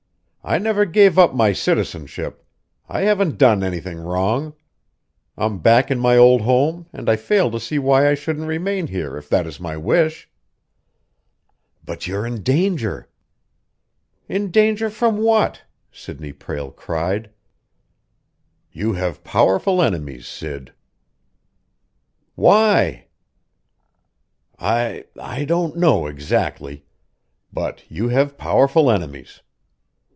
I never gave up my citizenship; I haven't done anything wrong. I'm back in my old home, and I fail to see why I shouldn't remain here if that is my wish." "But you're in danger!" "In danger from what?" Sidney Prale cried. "You have powerful enemies, Sid." "Why?" "I I don't know, exactly. But you have powerful enemies.